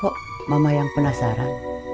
kok mama yang penasaran